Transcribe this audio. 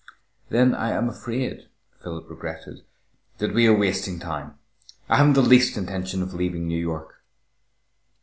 "Then I am afraid," Philip regretted, "that we are wasting time. I haven't the least intention of leaving New York."